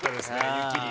湯切り。